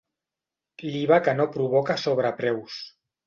L'iva que no provoca sobrepreus.